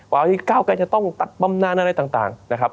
ว่าวันนี้ก้าวกายจะต้องตัดบำนานอะไรต่างนะครับ